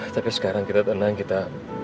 tapi sekarang kita tenang kita